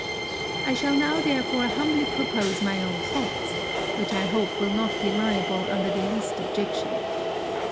I shall now therefore humbly propose my own thoughts, which I hope will not be liable to the least objection.